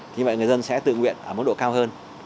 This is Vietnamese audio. như vậy người dân sẽ tự nguyện ở mức độ cao hơn